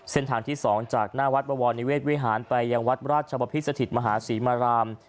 เส้นทางที่๒จากหน้าวัดบวรนิเวศวิหารไปยังวัดราชบพิษสถิตมหาศรีมาราม